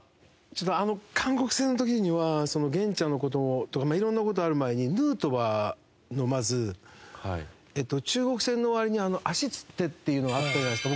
あの韓国戦の時には源ちゃんの事とかいろんな事ある前にヌートバーのまず中国戦の終わりに足つってっていうのがあったじゃないですか。